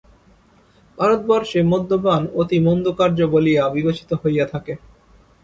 ভারতবর্ষে মদ্যপান অতি মন্দকার্য বলিয়া বিবেচিত হইয়া থাকে।